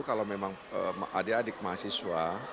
kalau memang adik adik mahasiswa